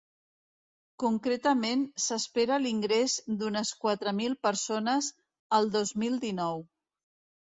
Concretament s’espera l’ingrés d’unes quatre mil persones el dos mil dinou.